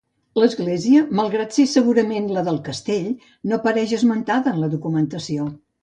L'església malgrat ésser segurament la del castell, no apareix esmentada en la documentació.